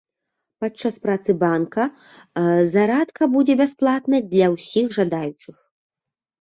Падчас працы банка зарадка будзе бясплатнай для ўсіх жадаючых.